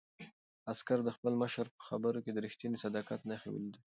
عسکر د خپل مشر په خبرو کې د رښتیني صداقت نښې ولیدلې.